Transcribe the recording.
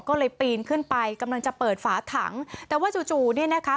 ก็เลยปีนขึ้นไปกำลังจะเปิดฝาถังแต่ว่าจู่จู่เนี่ยนะคะ